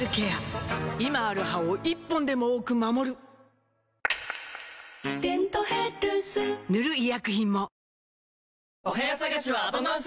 今ある歯を１本でも多く守る「デントヘルス」塗る医薬品も